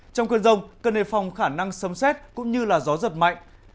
trong cơn rông cơn đề phòng khả năng sấm xét cũng như là gió giật mạnh